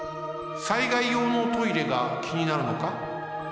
災害用のトイレがきになるのか？